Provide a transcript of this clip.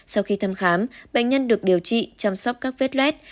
sau khi thăm khám bệnh nhân được điều trị chăm sóc các vết luet